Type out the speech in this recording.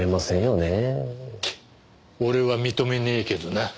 ケッ俺は認めねえけどな。